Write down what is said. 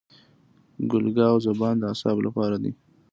ګل ګاو زبان د اعصابو لپاره دی.